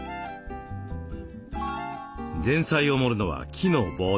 前菜を盛るのは木のボード。